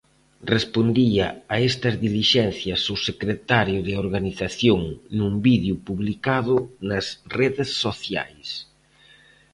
Respondía a estas dilixencias o secretario de Organización, nun vídeo publicado nas redes sociais.